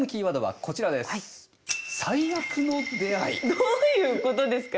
どういうことですか？